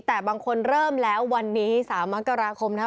แต่บางคนเริ่มแล้ววันนี้๓มกราคมนะครับ